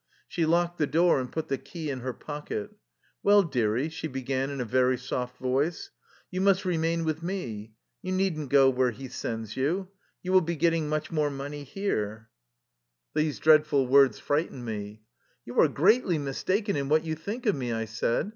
She locked the door and put the key in her pocket. " Well, dearie," she began in a very soft voice, " you must remain with me. You need n't go where he sends you. You will be getting much more money here." 245 THE LIFE STOEY OF A EUSSIAN EXILE These dreadful words frightened me. " You are greatly mistaken in what you think of me/' I said.